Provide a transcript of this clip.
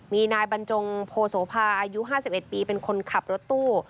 มีนายบรรจงโพโสภาอายุ๕๑ปีเป็นคนขับรถตู้